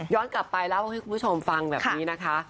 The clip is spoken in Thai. กลับไปเล่าให้คุณผู้ชมฟังแบบนี้นะคะ